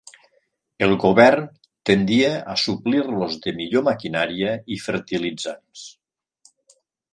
El govern tendia a suplir-los de millor maquinària i fertilitzants.